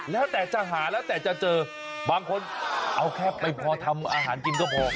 แล้วแต่จะหาแล้วแต่จะเจอบางคนเอาแค่ไปพอทำอาหารกินก็พอ